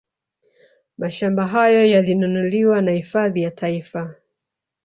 Mashamba hayo yalinunuliwa na hifadhi ya Taifa